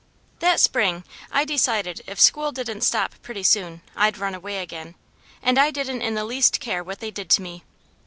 That spring I decided if school didn't stop pretty soon, I'd run away again, and I didn't in the least care what they did to me.